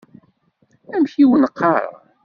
Amek i wen-qqaṛen?